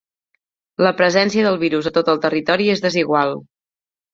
La presència del virus a tot el territori és desigual.